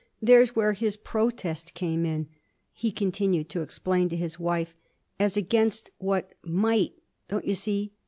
There's where his protest came in,' he continued to explain to his wife, 'as against what might, don't you see?